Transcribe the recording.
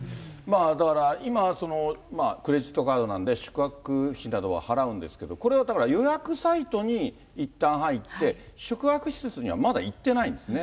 だから今、クレジットカードなんで、宿泊費などは払うんですけれども、これはだから、予約サイトにいったん入って、宿泊施設にはまだいってないんですね。